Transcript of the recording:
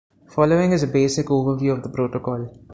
Following is a basic overview of the protocol.